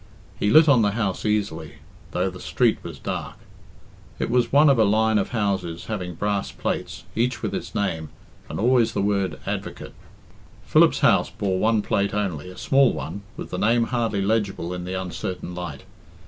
He lit on the house easily, though the street was dark. It was one of a line of houses having brass plates, each with its name, and always the word Advocate. Philip's house bore one plate only, a small one, with the name hardly legible in the uneertain light.